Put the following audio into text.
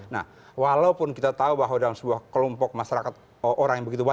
nah walaupun kita tahu bahwa dalam sebuah kelompok masyarakat orang yang begitu banyak